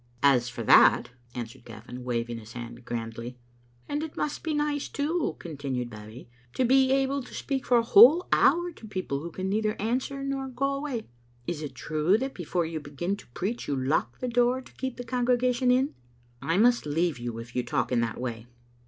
" As for that " answered Gavin, waving his hand grandly. " And it must be nice, too," continued Babbie, "to be able to speak for a whole hour to people who can neither answer nor go away. Is it true that before you begin to preach you lock the door to keep the congregation In?" " I must leave you if you talk in that way."